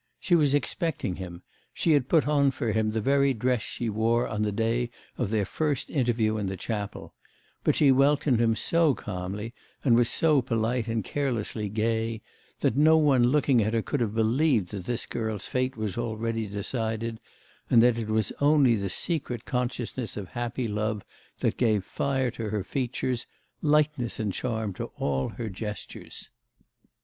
She was expecting him; she had put on for him the very dress she wore on the day of their first interview in the chapel; but she welcomed him so calmly, and was so polite and carelessly gay, that no one looking at her could have believed that this girl's fate was already decided, and that it was only the secret consciousness of happy love that gave fire to her features, lightness and charm to all her gestures.